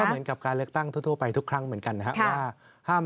เหมือนกับการเลือกตั้งทั่วไปทุกครั้งเหมือนกันนะครับว่า